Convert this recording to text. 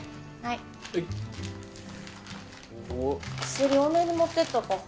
薬多めに持ってっとこう。